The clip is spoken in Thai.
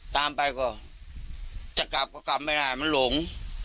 ตามไปก็จะกลับก็กลับไม่ได้มันหลง